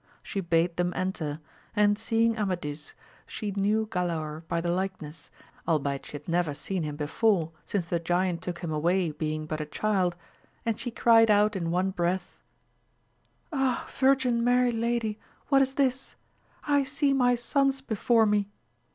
She bade them enter, and seeing Amadis, she 170 AMADIS OF GAUL. knew Galaor by the likeness, albeit she had never seen him before since the giant took him away being but a child, and she cried out in one breath, Ah Virgin Mary Lady, what is this ! I see my sons before me